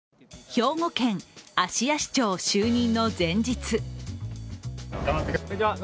兵庫県芦屋市長就任の前日。